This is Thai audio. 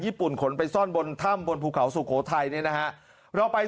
ญุ่นขนไปซ่อนบนถ้ำบนภูเขาสุโขทัยเนี่ยนะฮะเราไป